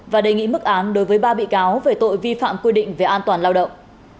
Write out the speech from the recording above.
và đề nghị mức án đối với ba bị cáo về tội vi phạm quy định về an toàn lao động